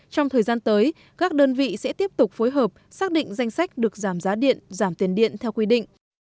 trong thời gian tới các đơn vị sẽ tiếp tục phối hợp xác định danh sách được giảm giá điện giảm tiền điện theo quy định